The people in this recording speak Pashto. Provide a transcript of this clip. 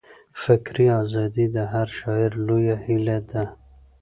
فکري ازادي د هر شاعر لویه هیله ده.